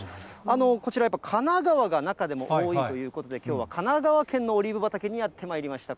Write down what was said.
こちら、やっぱ神奈川が中でも多いということで、きょうは神奈川県のオリーブ畑にやってまいりました。